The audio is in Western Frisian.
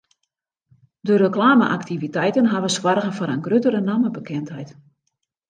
De reklame-aktiviteiten hawwe soarge foar in gruttere nammebekendheid.